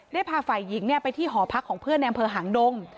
ได้พาฝ่ายหญิงไปที่หอพักของเพื่อนในอำเภอหางดง